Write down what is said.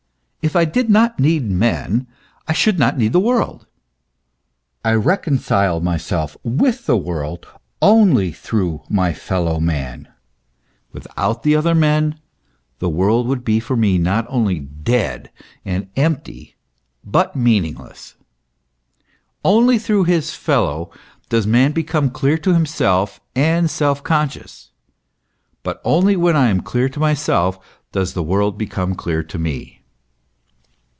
If I did not need man, I should not need the world. I reconcile myself with the world only through my fellow man. Without other men, the world Avould be for me not only dead and empty, but meaningless. Only through his fellow does man become clear to himself and self conscious; but only when I am clear to myself, does the world become clear to me.